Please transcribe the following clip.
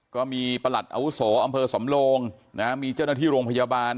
ประหลัดอาวุโสอำเภอสำโลงมีเจ้าหน้าที่โรงพยาบาล